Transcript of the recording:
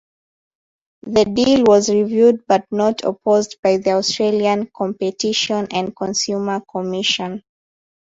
The deal was reviewed but not opposed by the Australian Competition and Consumer Commission.